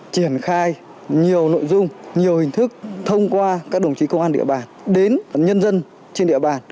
triển khai nhiều nội dung nhiều hình thức thông qua các đồng chí công an địa bàn đến nhân dân trên địa bàn